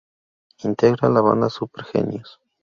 Integra la banda Super Genius.